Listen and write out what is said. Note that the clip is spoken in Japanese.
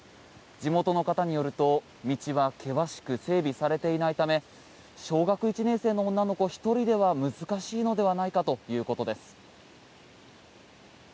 地元の方によると道は険しく整備されていないため小学１年生の女の子１人では難しいのではないかということです。